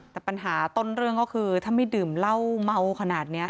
แต่ปัญหาต้นเรื่องก็คือถ้าไม่ดื่มเหล้าเมาขนาดนี้